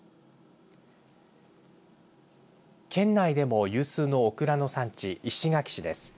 県内でも有数のオクラの産地石垣市です。